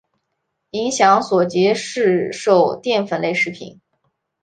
影响所及市售淀粉类食材。